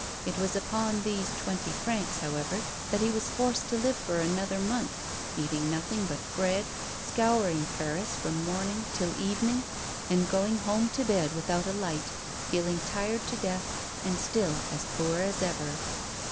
It was upon these twenty francs, how ever, that he was forced to live for another month, eat ing nothing but bread, scouring Paris from morning till 68 A STARTLING PROFOSITION. evening, and going home to bed without a light, feeling tired to death, and still as poor as ever.